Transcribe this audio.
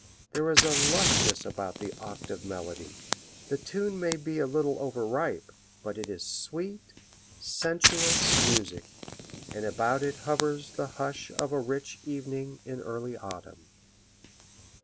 There is a lushness about the octave melody; the tune may be a little overripe, but it is sweet, sensuous music, and about it hovers the hush of a rich evening in early autumn.